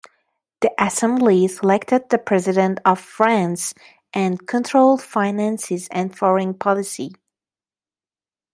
The Assembly selected the President of France, and controlled finances and foreign policy.